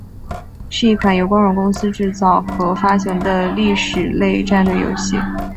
是一款由光荣公司制作和发行的历史类战略游戏。